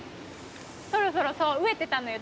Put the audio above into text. そろそろ飢えてたのよ